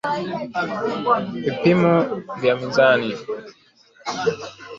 Vipimo vya mizani